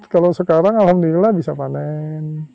kalau sekarang alhamdulillah bisa panen